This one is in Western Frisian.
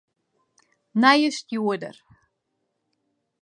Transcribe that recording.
Nije stjoerder.